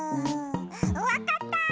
わかった！